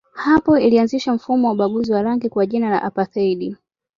Hapo ilianzisha mfumo wa ubaguzi wa rangi kwa jina la apartheid.